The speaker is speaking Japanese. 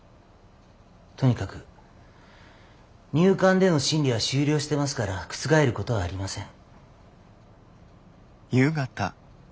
とにかく入管での審理は終了してますから覆ることはありません。